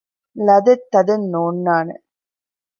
ލަދެއް ތަދެއް ނޯންނާނެ